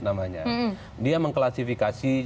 namanya dia mengklasifikasi